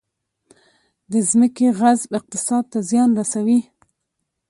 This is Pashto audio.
د ځمکې غصب اقتصاد ته زیان رسوي